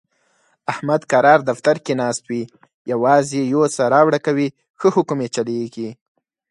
احمد کرار دفتر کې ناست وي، یووازې یوسه راوړه کوي، ښه حکم یې چلېږي.